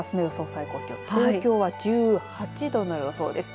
最高気温東京は１８度の予想です。